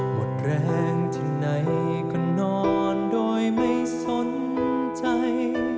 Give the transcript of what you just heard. หมดแรงที่ไหนก็นอนโดยไม่สนใจ